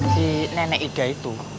si nenek ida itu